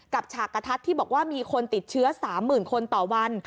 ฉากกระทัดที่บอกว่ามีคนติดเชื้อ๓๐๐๐คนต่อวัน